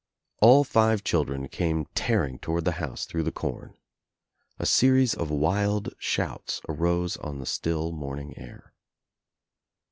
All five children came tearing toward the house through the com. A series of wild shouts arose on the still morning air.